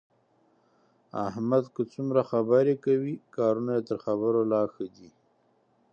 احمد که څومره خبرې کوي، کارونه یې تر خبرو لا ښه دي.